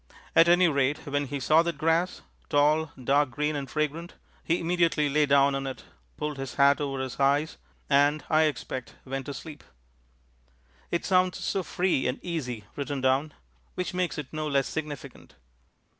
At any rate when he saw that grass, tall, dark green and fragrant, he immediately lay down on it, pulled his hat over his eyes and, I expect, went to sleep. It sounds so free and easy written down. Which makes it no less significant.